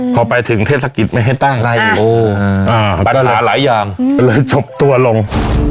พอไปถึงเทศกิจไม่ให้ตั้งไล่ปัญหาหลายอย่างมันเลยจบตัวลง